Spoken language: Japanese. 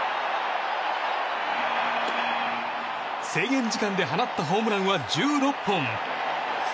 制限時間で放ったホームランは１６本。